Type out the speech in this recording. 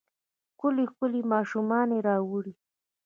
ښکلې ، ښکلې ماشومانې راوړي